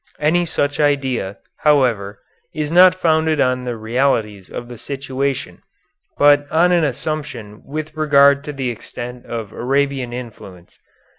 Any such idea, however, is not founded on the realities of the situation, but on an assumption with regard to the extent of Arabian influence.